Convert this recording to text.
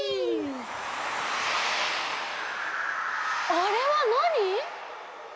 あれはなに？